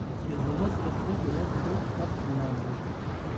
Yazılma sırasına göre bu dört kitap şunlardır: